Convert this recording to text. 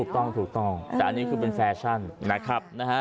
ถูกต้องแต่อันนี้คือเป็นแฟชั่นนะครับ